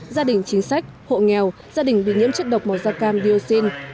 gia đình chính sách hộ nghèo gia đình bị nhiễm chất độc màu da cam dioxin